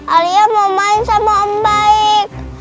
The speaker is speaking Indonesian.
alia mau main sama om baik